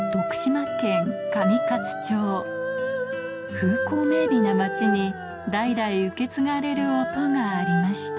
風光明媚な町に代々受け継がれる音がありました